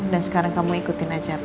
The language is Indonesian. dan sekarang kamu ikutin aja